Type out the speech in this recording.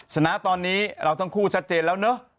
ชนะตอนนี้เราทั้งคู่ชัดเจนแล้วเนอะ